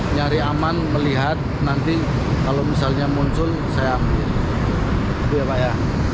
nyari aman melihat nanti kalau misalnya muncul saya itu ya pak ya